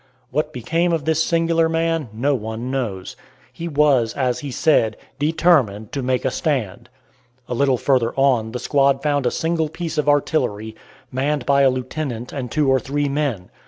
What became of this singular man no one knows. He was, as he said, "determined to make a stand." A little further on the squad found a single piece of artillery, manned by a lieutenant and two or three men.